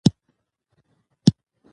سره د ستاینې په مانا یو څپیزه ده.